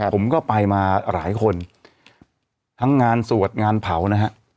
ผมก็ไปมาหลายคนทั้งงานสวดงานเผานะฮะ